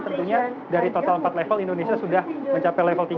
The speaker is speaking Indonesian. tentunya dari total empat level indonesia sudah mencapai level tiga